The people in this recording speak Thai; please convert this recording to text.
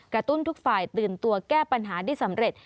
ทุกฝ่ายตื่นตัวแก้ปัญหาได้สำเร็จ